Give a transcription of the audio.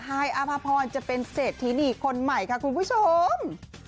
อาภาพรจะเป็นเศรษฐีนีคนใหม่ค่ะคุณผู้ชม